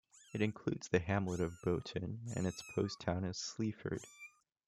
It includes the hamlet of Boughton; and its Post Town is Sleaford.